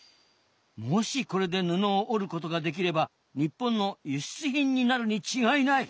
もしこれで布を織ることができれば日本の輸出品になるに違いない。